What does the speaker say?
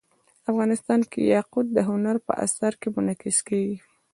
افغانستان کې یاقوت د هنر په اثار کې منعکس کېږي.